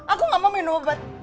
aku gak mau minum obat